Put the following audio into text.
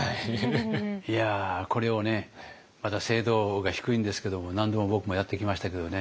いやこれをねまだ精度が低いんですけども何度も僕もやってきましたけどね。